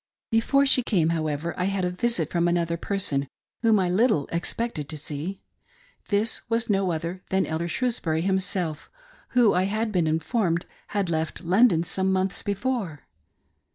Before she came, however, I had a visit from another, per son, whom I little expected to see. This was no other than. Elder Shrewsbury himself, who, I had been informed, had left; London some months before.